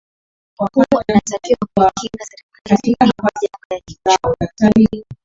beni kuu inatakiwa kuikinga serikali dhidi ya majanga ya kiuchumi